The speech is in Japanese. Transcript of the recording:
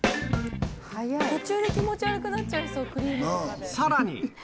途中で気持ち悪くなっちゃいさらに。